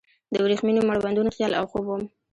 د وریښمینو مړوندونو خیال او خوب وم